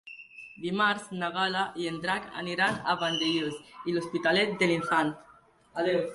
Dimarts na Gal·la i en Drac aniran a Vandellòs i l'Hospitalet de l'Infant.